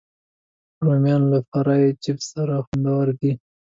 رومیان له فرای چپس سره خوندور دي